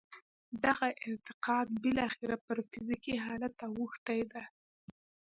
دغه اعتقاد بالاخره پر فزیکي حالت اوښتی دی